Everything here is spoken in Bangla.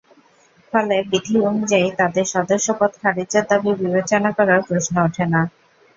ফলে বিধি অনুযায়ী তাঁদের সদস্যপদ খারিজের দাবি বিবেচনা করার প্রশ্ন ওঠে না।